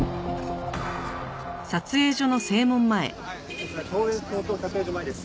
こちら東演東京撮影所前です。